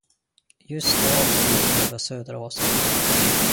Just då for de över Söderåsen.